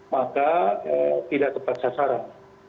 maka tidak tepat sasaran